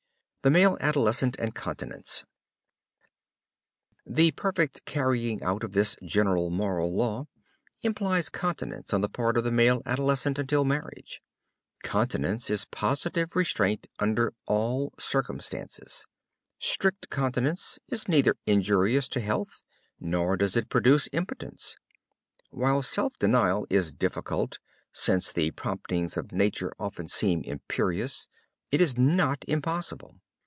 THE MALE ADOLESCENT AND CONTINENCE The perfect carrying out of this general moral law implies continence on the part of the male adolescent until marriage. Continence is positive restraint under all circumstances. Strict continence is neither injurious to health, nor does it produce impotence. While self denial is difficult, since the promptings of nature often seem imperious, it is not impossible.